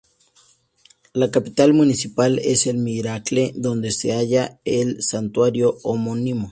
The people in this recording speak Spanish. La capital municipal es El Miracle, donde se halla el santuario homónimo.